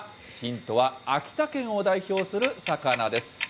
ヒントは秋田県を代表する魚です。